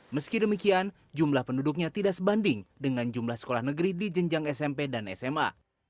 meski demikian jumlah penduduknya tidak sebanding dengan jumlah sekolah negeri di jenjang smp dan sma